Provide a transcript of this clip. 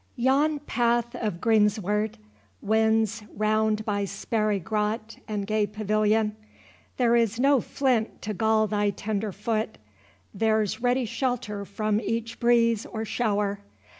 Yon path of greensward Winds round by sparry grot and gay pavilion; There is no flint to gall thy tender foot, There's ready shelter from each breeze, or shower.